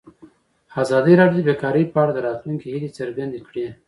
ازادي راډیو د بیکاري په اړه د راتلونکي هیلې څرګندې کړې.